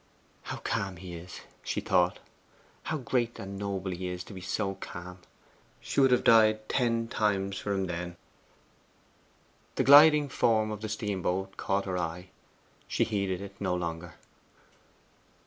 'How calm he is!' she thought. 'How great and noble he is to be so calm!' She would have died ten times for him then. The gliding form of the steamboat caught her eye: she heeded it no longer.